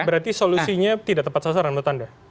berarti solusinya tidak tepat sasaran menurut anda